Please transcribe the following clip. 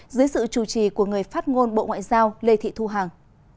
dưới sự chủ trì của người phát ngôn bộ ngoại giao lê thị thu hằng